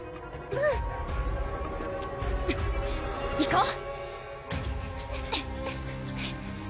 うん行こう！